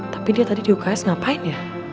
tapi dia tadi juga uks ngapain ya